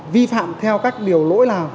vi phạm theo các điều lỗi nào